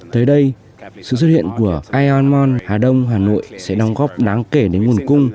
tới đây sự xuất hiện của ionmon hà đông hà nội sẽ đóng góp đáng kể đến nguồn cung